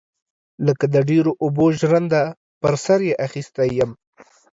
لکه د ډيرو اوبو ژرنده پر سر يې اخيستى يم.